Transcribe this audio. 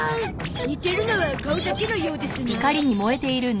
似てるのは顔だけのようですな。